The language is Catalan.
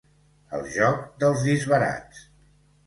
El joc dels disbarats.